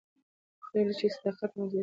کله چې صداقت موجود وي، باور زیاتېږي.